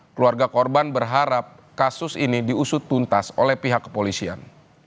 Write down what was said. keluarga korban berharap kasus ini diusut tuntas oleh pihak kepolisian